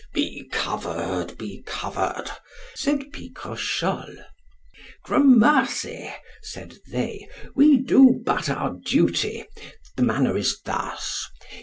Be covered, be covered, said Picrochole. Gramercy, said they, we do but our duty. The manner is thus.